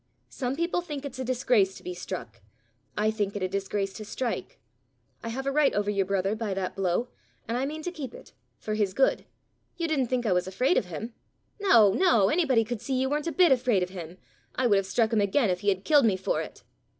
Some people think it's a disgrace to be struck: I think it a disgrace to strike. I have a right over your brother by that blow, and I mean to keep it for his good. You didn't think I was afraid of him?" "No, no; anybody could see you weren't a bit afraid of him. I would have struck him again if he had killed me for it!"